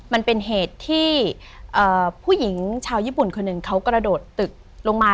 มันเป็นเหตุที่ผู้หญิงชาวญี่ปุ่นคนหนึ่งเขากระโดดตึกลงมา